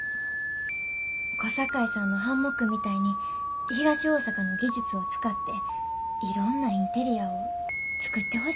小堺さんのハンモックみたいに東大阪の技術を使っていろんなインテリアを作ってほしいって。